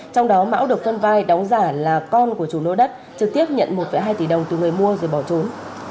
trong đó mão được phân vai đóng giả là con của chủ lô đất trực tiếp nhận một hai tỷ đồng từ người mua rồi bỏ trốn